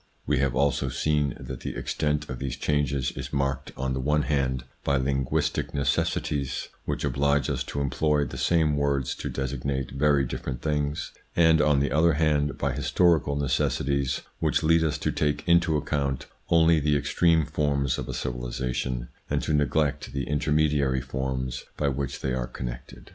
We have also seen that the extent of these changes is marked on the one hand by linguistic necessities which oblige us to employ the same words to designate very different things, and on the other hand by historical necessities which lead us to take into account only the extreme forms of a civilisation, and to neglect the intermediary forms by which they are connected.